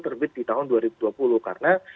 terbit di tahun dua ribu dua puluh karena